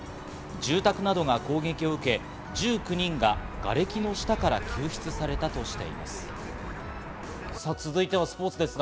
住宅などが攻撃を受け、１９人ががれきの下から救出されたとしています。